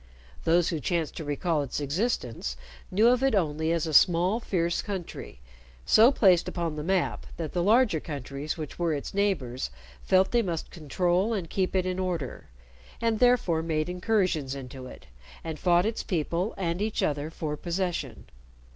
Those who chanced to recall its existence knew of it only as a small fierce country, so placed upon the map that the larger countries which were its neighbors felt they must control and keep it in order, and therefore made incursions into it, and fought its people and each other for possession.